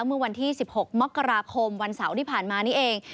เมื่อวันที่๑๖มกราคมวันเสาร์ที่ผ่านมานี่เอง